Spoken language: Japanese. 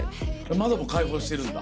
窓も開放してるんだ？